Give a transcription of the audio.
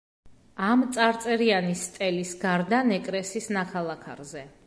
ამ წარწერიანი სტელის გარდა ნეკრესის ნაქალაქარზე.